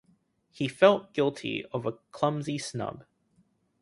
He felt guilty of a clumsy snub.